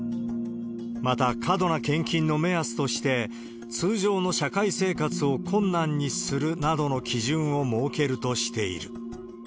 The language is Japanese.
また、過度な献金の目安として、通常の社会生活を困難にするなどの基準を設けるとしている。